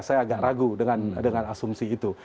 saya agak ragu dengan asumsi itu